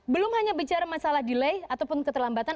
belum hanya bicara masalah delay ataupun keterlambatan